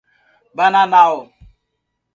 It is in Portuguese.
Bananal